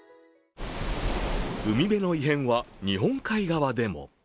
海辺の異変は日本海側でも。